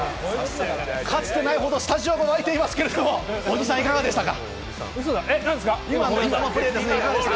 かつてないほどスタジオが揺れていますけれども、小木さんいかがでしたか？